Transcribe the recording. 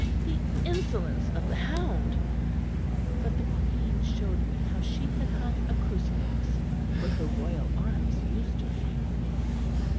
The insolence of the hound! But the Queen showed me how she had hung a crucifix where her royal arms used to hang.